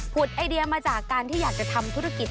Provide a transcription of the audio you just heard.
ไอเดียมาจากการที่อยากจะทำธุรกิจ